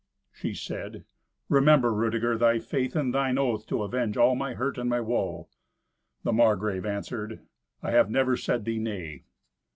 She said, "Remember, Rudeger, thy faith, and thine oath to avenge all my hurt and my woe." The Margrave answered, "I have never said thee nay."